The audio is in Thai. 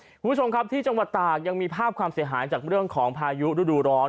คุณผู้ชมครับที่จังหวัดตากยังมีภาพความเสียหายจากเรื่องของพายุฤดูร้อน